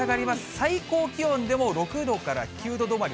最高気温でも６度から９度止まり。